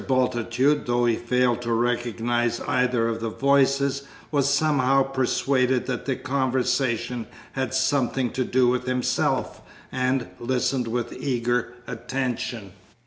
Bultitude, though he failed to recognise either of the voices, was somehow persuaded that the conversation had something to do with himself, and listened with eager attention.